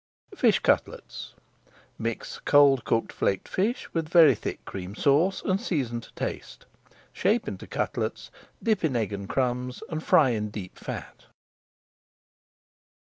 FISH CUTLETS Mix cold cooked flaked fish with very thick Cream Sauce and season to taste. Shape into cutlets, dip in egg and crumbs, and fry in deep fat.